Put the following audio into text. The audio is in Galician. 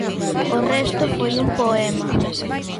O resto foi un poema.